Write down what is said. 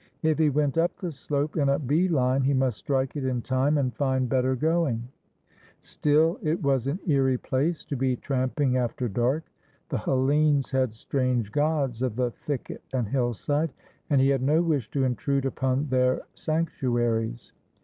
If he went up the slope in a bee line he must strike it in time and find better 97 GREECE going. Still it was an eerie place to be tramping after dark. The Hellenes had strange gods of the thicket and hillside, and he had no wish to intrude upon their sanc tuaries.